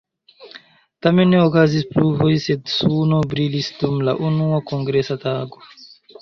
Tamen ne okazis pluvoj sed suno brilis dum la unua kongresa tago.